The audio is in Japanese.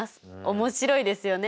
面白いですよね。